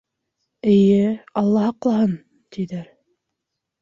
— Эйе, алла һаҡлаһын, — тиҙәр.